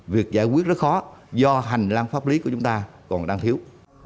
việc giải quyết rất khó do hành lang pháp lý của chúng ta còn đang thiếu